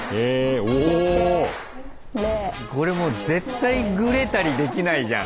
これもう絶対グレたりできないじゃん。